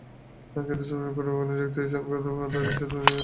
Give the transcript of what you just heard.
কিন্তু supreme court বললেন, যুক্তিসংগত বাধানিষেধ দিয়ে নির্দিষ্ট আইন থাকতে হবে।